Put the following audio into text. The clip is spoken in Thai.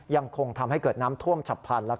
ยังคงทำให้เกิดน้ำท่วมฉับพลัน